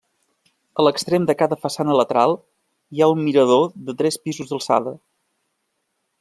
A l'extrem de cada façana lateral hi ha un mirador de tres pisos d'alçada.